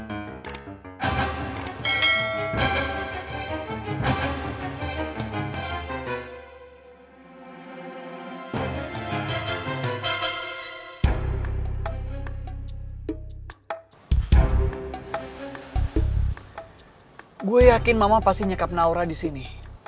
aku yakin mama pasti nyekap naura disini